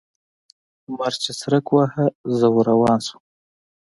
لمر چې څرک واهه؛ زه ور روان شوم.